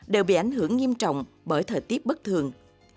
đều bị ảnh hưởng nghiêm trọng bởi thời tiết bất thường